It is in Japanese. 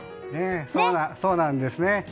そうなんです。